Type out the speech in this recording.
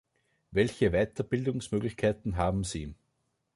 Welche Weiterbildungsmöglichkeiten haben sie?